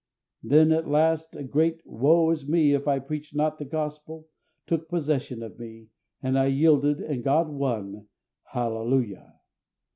Then at last a great "Woe is me, if I preach not the Gospel," took possession of me, and I yielded, and God won. Hallelujah!